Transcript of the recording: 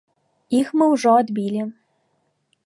Іх мы ўжо адбілі.